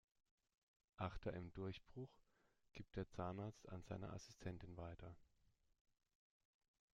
Achter im Durchbruch, gibt der Zahnarzt an seine Assistentin weiter.